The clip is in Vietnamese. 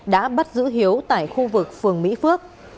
đã bắt giữ hiếu tại khu vực phường mỹ phước